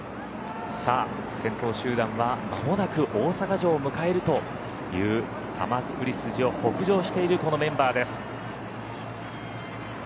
先頭集団は間もなく大阪城を迎えるという玉造筋を北上しているこのメンバーです。